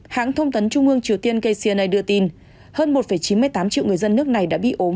hãng thông tấn trung ương triều tiên kcna đưa tin hơn một chín mươi tám triệu người dân nước này đã bị ốm